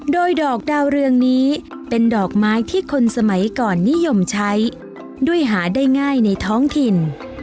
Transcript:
โดยดอกดาวเรืองนี้เป็นดอกไม้ที่คนสมัยก่อนนิยมใช้ด้วยหาได้ง่ายในท้องถิ่น